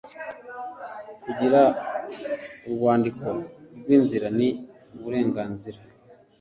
Kugira urwandiko rw inzira ni uburenganzira